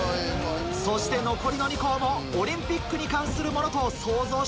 そして残りの２校もオリンピックに関するものとソウゾウしたようだ